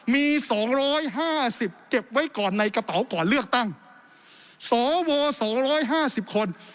มีสองร้อยห้าสิบเก็บไว้ก่อนในกระเป๋าก่อนเลือกตั้งสวสองร้อยห้าสิบคน